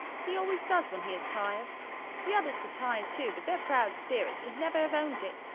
He always does when he is tired. The others were tired too, but their proud spirits would never have owned it.